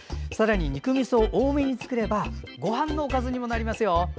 さらに肉みそを多めに作ればごはんのおかずにもなりますよ。